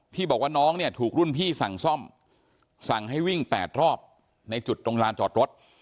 บอกว่าน้องเนี่ยถูกรุ่นพี่สั่งซ่อมสั่งให้วิ่ง๘รอบในจุดตรงลานจอดรถ